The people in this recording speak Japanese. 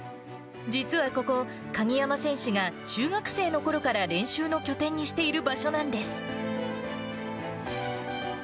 実はここ、鍵山選手が中学生のころから練習の拠点にしている場所なんです。